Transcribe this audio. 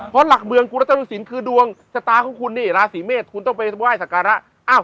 เพราะหลักเมืองคุณราศีเมฆคือดวงชะตาของคุณนี่ราศีเมฆคุณต้องไปว่ายศักระ